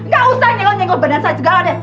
gak usah nyenggok nyenggok badan saya segala deh